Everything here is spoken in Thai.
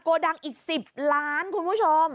โกดังอีก๑๐ล้านคุณผู้ชม